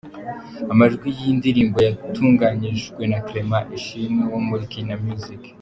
Amajwi y’iyi ndirimbo yatunganyijwe na Clement Ishimwe wo muri Kina Music.